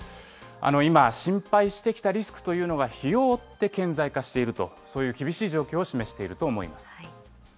今、心配してきたリスクというのが、日を追って顕在化していると、そういう厳しい状況を示していると思います。